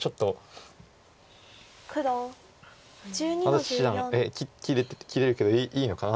安達七段が「えっ切れるけどいいのかな？」